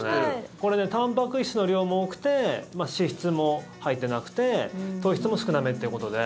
これ、たんぱく質の量も多くて脂質も入ってなくて糖質も少なめってことで。